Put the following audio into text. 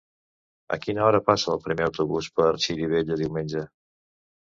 A quina hora passa el primer autobús per Xirivella diumenge?